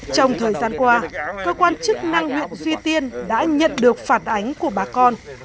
trong thời gian qua cơ quan chức năng huyện duy tiên đã nhận được phản ánh của bà con